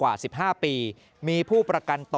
เพราะว่าเราอยู่ในเครือโรงพยาบาลกรุงเทพฯนี่ก็เป็นในระดับโลก